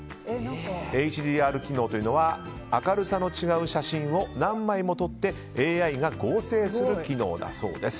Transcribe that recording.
ＨＤＲ機能というのは明るさの違う写真を何枚も撮ってＡＩが合成する機能のことだそうです。